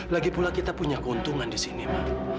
lagipula kita punya keuntungan di sini ma